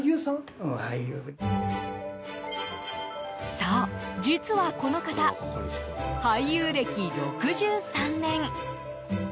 そう、実はこの方俳優歴６３年。